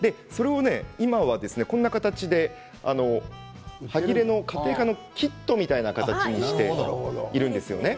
今はこんな形ではぎれの家庭科のキットみたいな形であるんですよね。